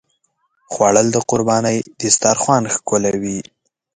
خوړل د قربانۍ دسترخوان ښکلوي